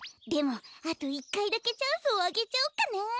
でもあと１かいだけチャンスをあげちゃおうかな。